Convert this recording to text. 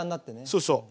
そうそう。